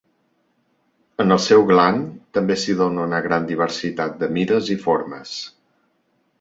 En el seu gland també s'hi dóna una gran diversitat de mides i formes.